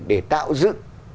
để tạo dựng